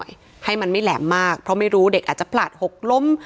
ให้มันไม่แหลมมากเพราะไม่รู้เด็กอาจจะพลาดหกล้ม